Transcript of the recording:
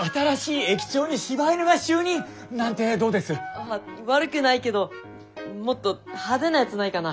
あっ悪くないけどもっと派手なやつないかな？